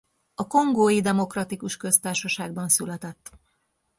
A Kongói Demokratikus Köztársaságban született.